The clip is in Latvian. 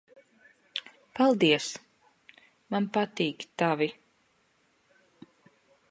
Paldies. Man patīk tavi.